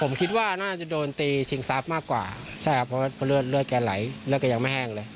ผมคิดว่าน่าจะโดนตีชิงทรัพย์มากกว่าใช่ครับเพราะเลือดเลือดแกไหลเลือดแกยังไม่แห้งเลย